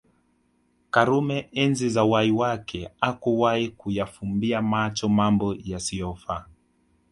karume enzi za uhai wake hakuwahi kuyafumbia macho Mambo yasiofaa